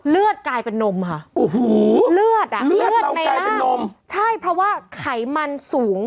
เลือดกลายเป็นนมค่ะโอ้โหเลือดอ่ะเลือดในร่างนมใช่เพราะว่าไขมันสูง